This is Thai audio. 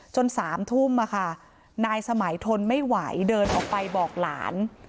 จนสามทุ่มนะคะนายสมัยทนไม่ไหวเดินออกไปบอกหลาน